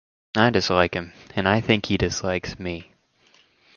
I dislike him and I think he dislikes me.